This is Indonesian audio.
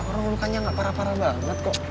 orang lukanya nggak parah parah banget kok